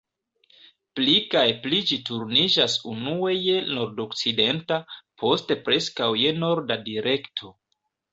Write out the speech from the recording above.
Pli kaj pli ĝi turniĝas unue je nordokcidenta, poste preskaŭ je norda direkto.